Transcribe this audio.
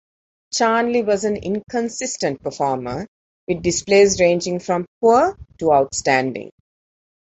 Charnley was an inconsistent performer with displays ranging from poor to outstanding.